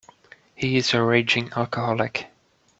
He is a raging alcoholic.